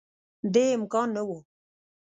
دې امکان نه وو